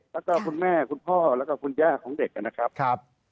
แล้วก็คุณแม่คุณพ่อแล้วก็คุณย่าของเด็กนะครับ